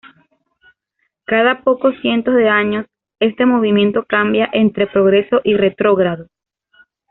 Cada pocos cientos de años este movimiento cambia entre progreso y retrógrado.